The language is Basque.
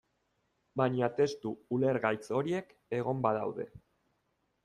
Baina testu ulergaitz horiek egon badaude.